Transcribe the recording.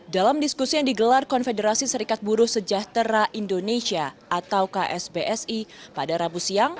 dalam diskusi yang digelar konfederasi serikat buruh sejahtera indonesia atau ksbsi pada rabu siang